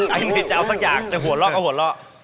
ไอ้นี่จะเอาสักอย่างแต่หัวเลาะก็หัวเลาะ